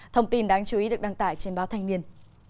thông tin đáng chú ý được đăng tải trên báo thanh niên